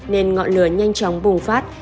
nên ngọn lửa nhanh chóng bùng phát